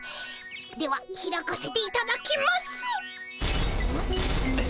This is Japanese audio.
では開かせていただきます。